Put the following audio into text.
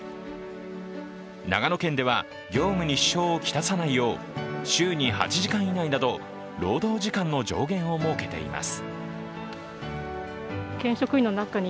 長野県では業務に支障をきたさないよう週に８時間以内など労働時間の上限を設けています。